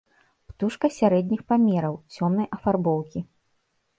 Птушка сярэдніх памераў, цёмнай афарбоўкі.